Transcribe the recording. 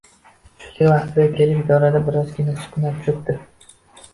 Tushlik vaqtiga kelib idorada birozgina sukunat cho`kdi